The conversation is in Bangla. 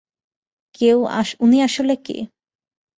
উনি আসলে কে?